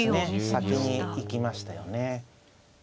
先に行きましたよね。